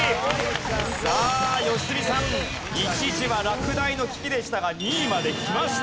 さあ良純さん一時は落第の危機でしたが２位まできました！